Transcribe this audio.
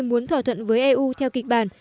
muốn thỏa thuận với eu theo kịch bản